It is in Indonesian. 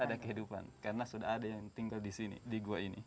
ada kehidupan karena sudah ada yang tinggal di sini di gua ini